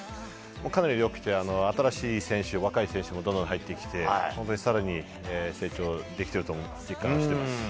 かなりよくて、新しい選手、若い選手もどんどん入ってきて、本当にさらに成長できてると実感してます。